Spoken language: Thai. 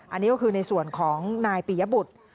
อันนี้ก็คือในส่วนของนายปียบุตร